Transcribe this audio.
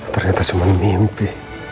ternyata cuma mimpi